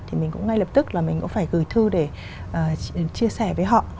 thì mình cũng ngay lập tức là mình cũng phải gửi thư để chia sẻ với họ